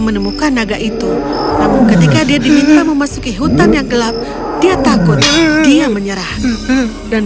menemukan naga itu ketika dia diminta memasuki hutan yang gelap dia takut dia menyerah dan